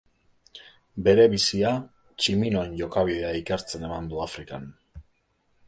Bere bizia tximinoen jokabidea ikertzen eman du Afrikan.